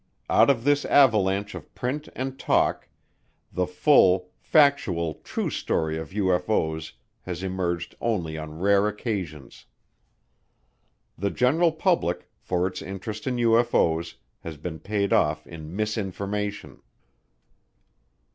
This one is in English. Out of this avalanche of print and talk, the full, factual, true story of UFO's has emerged only on rare occasions. The general public, for its interest in UFO's, has been paid off in misinformation.